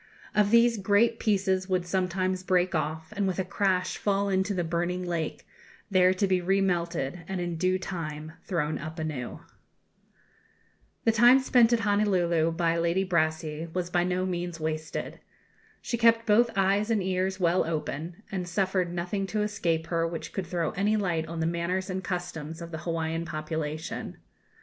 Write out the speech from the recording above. Of these great pieces would sometimes break off, and with a crash fall into the burning lake, there to be remelted and in due time thrown up anew. The time spent at Honolulu by Lady Brassey was by no means wasted. She kept both eyes and ears well open, and suffered nothing to escape her which could throw any light on the manners and customs of the Hawaiian population.